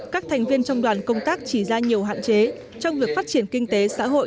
các thành viên trong đoàn công tác chỉ ra nhiều hạn chế trong việc phát triển kinh tế xã hội